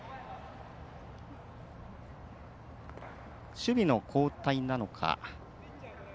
守備の交代なのか。